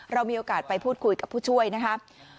เรามีโอกาสไปพูดคุยกับผู้ช่วยนะครับ